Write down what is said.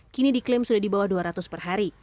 kini diklaim sudah di bawah dua ratus per hari